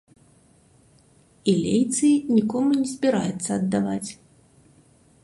І лейцы нікому не збіраецца аддаваць.